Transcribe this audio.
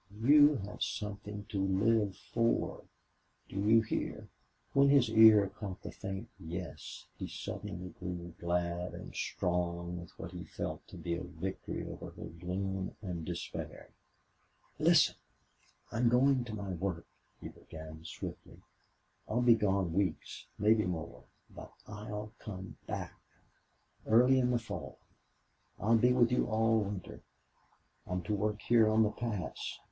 You have something to live for!... Do you hear?" When his ear caught the faint "Yes" he suddenly grew glad and strong with what he felt to be a victory over her gloom and despair. "Listen. I'm going to my work," he began, swiftly. "I'll be gone weeks maybe more. BUT I'LL COME BACK!... Early in the fall. I'll be with you all winter. I'm to work here on the pass....